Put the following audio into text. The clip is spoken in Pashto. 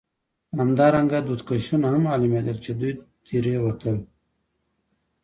همدارنګه دودکشونه هم معلومېدل، چې دود ترې وتل.